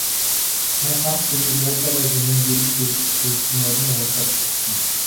Муу хар сэгийг буудаарай хэмээн зэрэг зэрэг хашхиралдан морины хурдаар давхилдана.